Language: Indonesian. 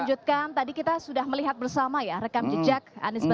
jordan gardi gria lestari